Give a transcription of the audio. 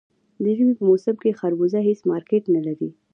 د ژمي په موسم کې خربوزه هېڅ مارکېټ نه لري.